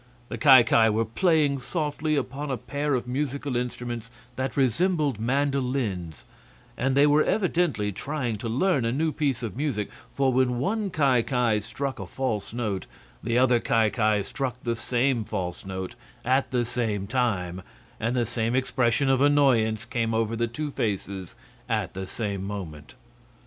The Ki Ki were playing softly upon a pair of musical instruments that resembled mandolins, and they were evidently trying to learn a new piece of music, for when one Ki Ki struck a false note the other Ki Ki struck the same false note at the same time, and the same expression of annoyance came over the two faces at the same moment.